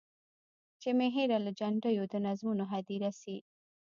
چي مي هېره له جنډیو د نظمونو هدیره سي.